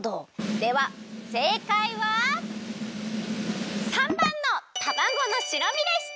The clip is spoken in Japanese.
ではせいかいは③ばんのたまごの白身でした！